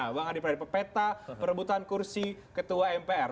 mbak adi prait pepeta perebutan kursi ketua mpr